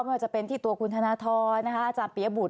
ไม่ว่าจะเป็นที่ตัวคุณธนาธรณ์นะคะอาจารย์เปียบุตร